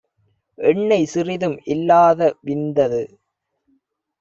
எண்ணெய் சிறிதும் இல்லா தவிந்தது.